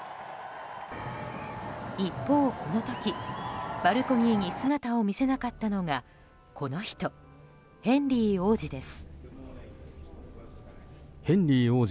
一方この時、バルコニーに姿を見せなかったのがこの人、ヘンリー王子です。